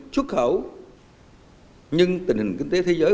xuất khẩu nhưng tình hình kinh tế thế giới